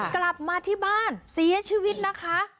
กลับมาที่บ้านเสียชีวิตนะคะ